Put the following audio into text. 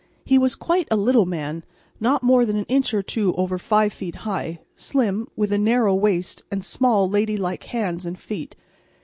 He was quite a little man, not more than an inch or two over five feet high, slim, with a narrow waist and small ladylike hands and feet.